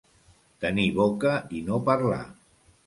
Tenir boca i no parlar.